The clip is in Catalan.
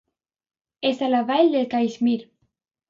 És a la vall del Caixmir.